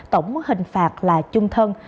tổng hình phạt là chung thân